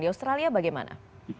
di australia bagaimana